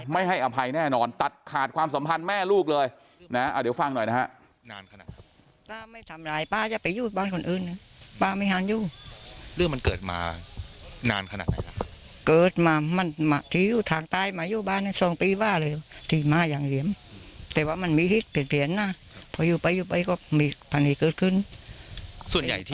ไม่ให้อภัยแน่นอนตัดขาดความสัมพันธ์แม่ลูกเลยนะเดี๋ยวฟังหน่อยนะฮะ